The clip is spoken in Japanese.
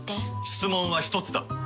質問は１つだ！